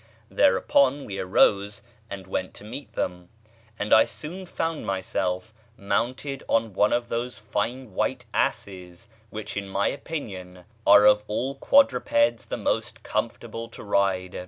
Thereupon we arose and went to meet them; and I soon found myself mounted on one of those fine white asses which, in my opinion, are of all quadrupeds the most comfortable to ride.